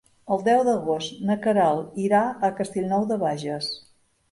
El deu d'agost na Queralt irà a Castellnou de Bages.